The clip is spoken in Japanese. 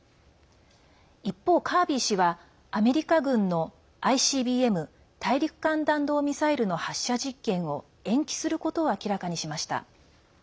一方、カービー氏はアメリカ軍のＩＣＢＭ＝大陸間弾道ミサイルの発射実験を延期することを明らかにしました。